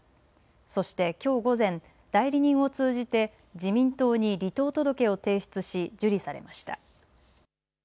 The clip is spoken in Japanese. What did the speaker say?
そしてきょう午前、代理人を通じて自民党に離党届を提出し受理されました。